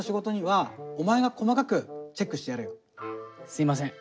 すいません。